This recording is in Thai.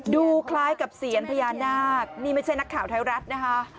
ดูคล้ายกับเสียญพยานาคนี่ไม่ใช่นักข่าวธรรมดิ์แหลดนะคะ